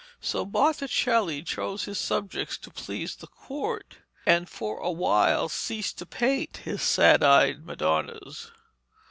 So Botticelli chose his subjects to please the court, and for a while ceased to paint his sad eyed Madonnas.